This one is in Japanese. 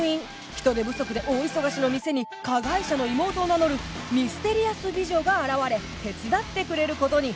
人手不足で大忙しの店に加害者の妹を名乗るミステリアス美女が現れ手伝ってくれる事に